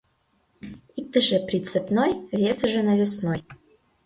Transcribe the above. Иктыже прицепной, весыже навесной.